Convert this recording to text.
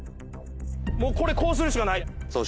もうこれこうするしかない。